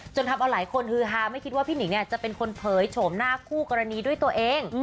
ทำเอาหลายคนฮือฮาไม่คิดว่าพี่หนิงจะเป็นคนเผยโฉมหน้าคู่กรณีด้วยตัวเอง